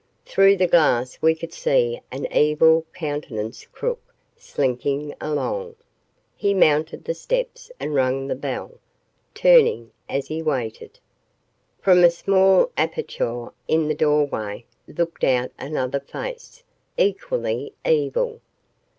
Through the glass we could see an evil countenanced crook slinking along. He mounted the steps and rang the bell, turning as he waited. From a small aperture in the doorway looked out another face, equally evil.